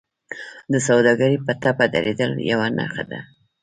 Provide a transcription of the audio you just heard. د سوداګرۍ په ټپه درېدل یوه نښه ده